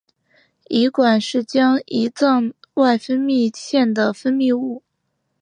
胰管是将胰脏外分泌腺的分泌物。